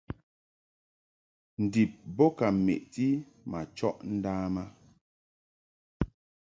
Ndib bo ka meʼti ma chɔʼ ndam a.